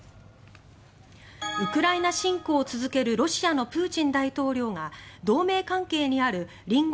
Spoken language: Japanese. ウクライナ侵攻を続けるロシアのプーチン大統領が同盟関係にある隣国